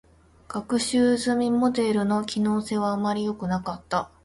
学習済みモデルの性能は、あまりよくなかった。